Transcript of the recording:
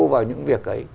vào những việc ấy